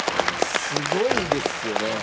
すごいですよね。